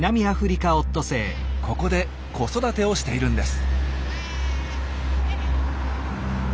ここで子育てをしているんです。